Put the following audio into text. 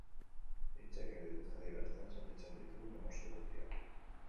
Hitzek ez dituzte adierazten sentitzen ditugun emozio guztiak.